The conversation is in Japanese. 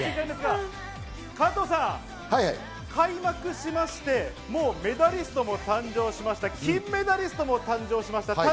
加藤さん、開幕しまして、もうメダリストも誕生しました、金メダリストも誕生しました。